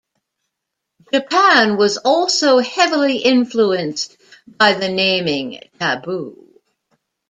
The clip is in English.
Japan was also heavily influenced by the naming taboo.